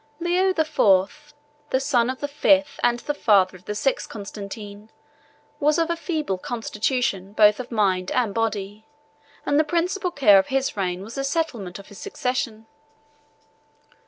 p. 156.—M.] Leo the Fourth, the son of the fifth and the father of the sixth Constantine, was of a feeble constitution both of mind 1117 and body, and the principal care of his reign was the settlement of the succession.